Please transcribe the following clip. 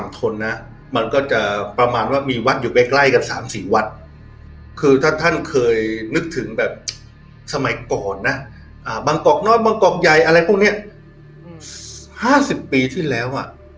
ถ้าท่านเคยนึกถึงแบบสมัยก่อนน่ะอ่าบางกอกนอดบางกอกใหญ่อะไรพวกเนี้ยห้าสิบปีที่แล้วอ่ะ